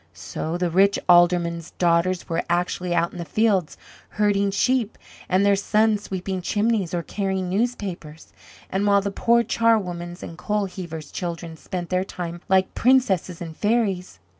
So the rich Aldermen's daughters were actually out in the fields herding sheep, and their sons sweeping chimneys or carrying newspapers; and while the poor charwomen's and coal heavers, children spent their time like princesses and fairies.